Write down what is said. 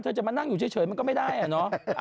จะมานั่งอยู่เฉยมันก็ไม่ได้อะเนาะ